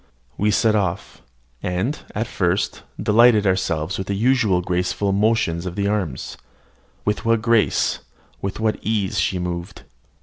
We set off, and, at first, delighted ourselves with the usual graceful motions of the arms. With what grace, with what ease, she moved!